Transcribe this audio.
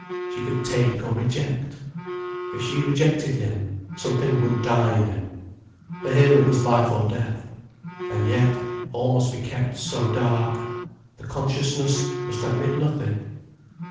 She could take or reject. If she rejected him, something would die in him. For him it was life or death. And yet, all must be kept so dark, the consciousness must admit nothing.